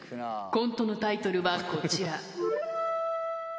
コントのタイトルはこちら。